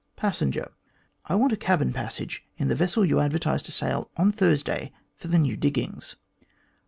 ] Passenger: "I want a cabin passage in the vessel you advertise io sail on Thurs lay for the new diggings."